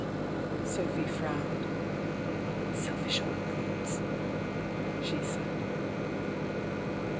Sophy frowned. "Selfish old brutes!" she said.